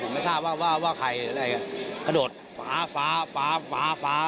ผมไม่ทราบว่าว่าใครอะไรกระโดดฟ้าฟ้าฟ้าฟ้า